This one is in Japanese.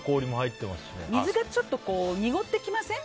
水がちょっと濁ってきません？